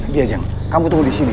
diyajeng kamu tunggu disini ya